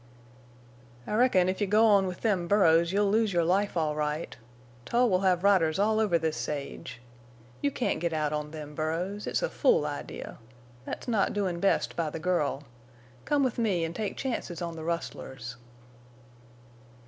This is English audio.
"I reckon if you go on with them burros you'll lose your life all right. Tull will have riders all over this sage. You can't get out on them burros. It's a fool idea. That's not doin' best by the girl. Come with me en' take chances on the rustlers."